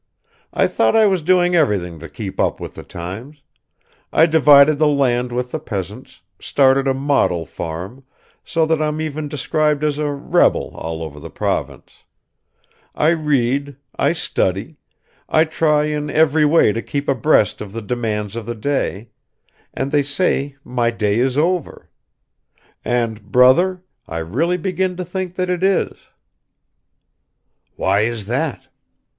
I thought I was doing everything to keep up with the times; I divided the land with the peasants, started a model farm, so that I'm even described as a "Rebel" all over the province; I read, I study, I try in every way to keep abreast of the demands of the day and they say my day is over. And brother, I really begin to think that it is." "Why is that?"